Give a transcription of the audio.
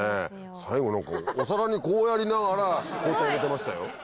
最後のこうお皿にこうやりながら紅茶を入れてましたよ